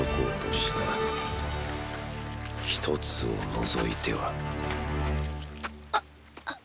一つを除いては――アアッ。